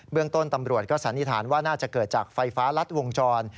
เรื่องต้นตำรวจก็สันนิษฐานว่าน่าจะเกิดจากไฟฟ้ารัดวงจร